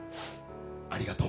ありがとう。